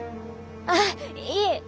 ああいえ。